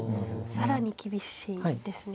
更に厳しいんですね。